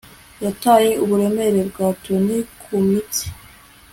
Yataye uburemere bwa toni kumitsi